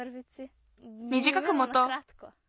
みじかくもとう。